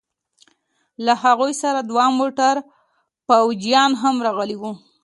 له هغوى سره دوه موټره فوجيان هم راغلي وو.